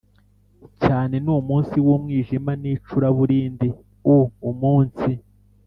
Cyane ni umunsi w umwijima n icuraburindi u umunsi